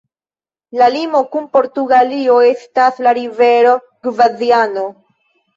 La limo kun Portugalio estas la rivero Gvadiano.